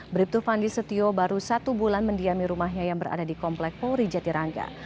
bripdu fandi setio baru satu bulan mendiami rumahnya yang berada di komplek pori jatiranga